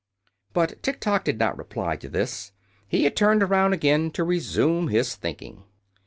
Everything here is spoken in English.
But Tiktok did not reply to this. He had turned around again to resume his thinking.